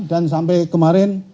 dan sampai kemarin